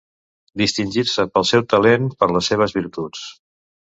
Distingir-se pel seu talent, per les seves virtuts.